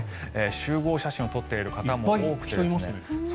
集合写真を撮っている方が多くて。